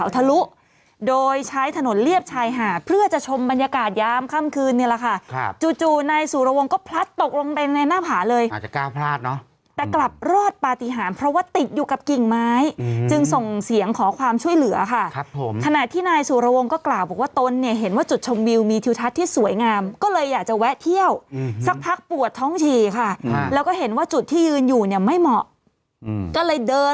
ตอนนี้คือมีโทรศัพท์ไปบอกพ่อเขาหรือไงใช่ไหมใช่ค่ะเออว่านี่